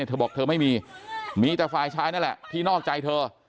เธอบอกเธอไม่มีมีแต่ฝ่ายชายนั่นแหละที่นอกใจเธอ